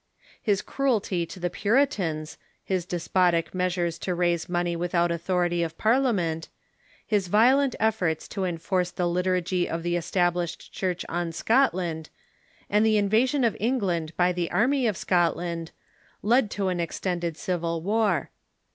His cruelty to the Puritans, his despotic measures to raise money without authority of Parliament, his violent efforts to enforce the liturgy of the Established Church on Scotland, and the invasion of England by the army of Scot land, led to an extended civil war.